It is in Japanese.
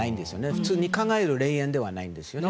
普通に考える霊園ではないんですね。